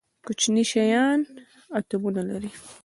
کوچني شیان اتومونه لري